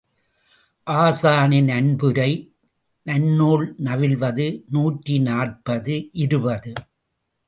ஆசானின் அன்புரை நன்னூல் நவில்வது நூற்றி நாற்பது இருபது.